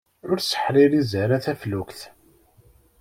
Ur sḥerḥiz ara taflukt!